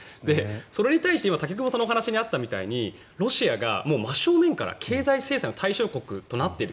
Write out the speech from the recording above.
それに対して今武隈さんのお話にあったようにロシアが真正面から経済制裁の対象国となっている